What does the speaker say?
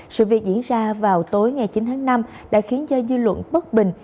sự việc diễn ra vào tối ngày chín tháng năm đã khiến cho dư luận bất bình